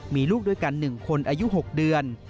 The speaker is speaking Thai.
มีลูกด้วยกัน๑คนอายุ๖เดือน